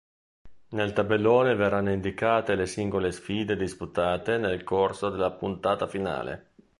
Nel tabellone verranno indicate le singole sfide disputate nel corso della puntata finale.